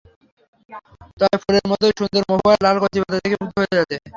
তবে ফুলের মতোই সুন্দর মহুয়ার লাল কচিপাতা দেখে মুগ্ধ হতে হয়।